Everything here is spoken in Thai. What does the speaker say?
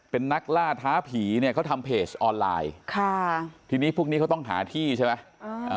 เป็นนักล่าท้าผีเนี่ยเขาทำเพจออนไลน์ค่ะทีนี้พวกนี้เขาต้องหาที่ใช่ไหม